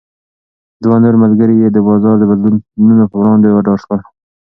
دوه نور ملګري یې د بازار د بدلونونو په وړاندې وډار شول.